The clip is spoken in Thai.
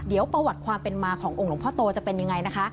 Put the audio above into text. เดี๋ยวประวัติความเป็นมาขององค์หลวงพ่อโตจะเป็นยังไงนะคะ